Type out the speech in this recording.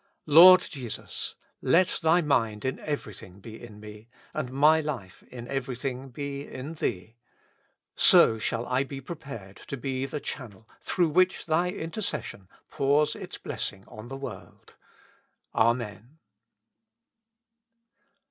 Lord Jesus ! let Thy mind in everything be in me, and my life in everything be in Thee. So shall I be prepared to be the channel through which Thy intercession pours its blessing on the world. Amen.